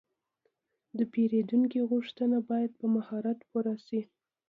د پیرودونکي غوښتنه باید په مهارت پوره شي.